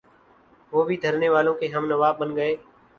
وہ بھی دھرنے والوں کے ہمنوا بن گئے۔